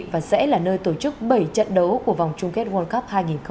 và sẽ là nơi tổ chức bảy trận đấu của vòng chung kết world cup hai nghìn hai mươi